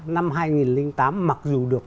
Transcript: năm hai nghìn tám mặc dù được